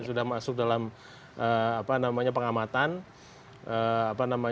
sudah masuk dalam pengamatan